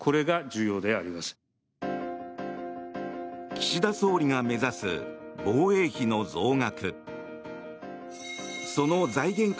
岸田総理が目指す防衛費の増額。